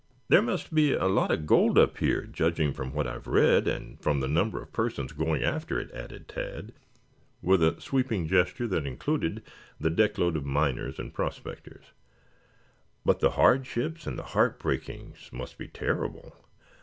"There must be a lot of gold up here, judging from what I have read, and from the number of persons going after it," added Tad, with a sweeping gesture that included the deckload of miners and prospectors. "But the hardships and the heart breakings must be terrible.